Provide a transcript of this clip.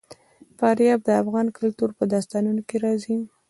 فاریاب د افغان کلتور په داستانونو کې راځي.